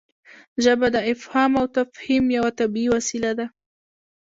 ژبه د افهام او تفهیم یوه طبیعي وسیله ده.